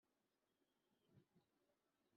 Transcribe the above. mu ngabire nyabutatu tuzi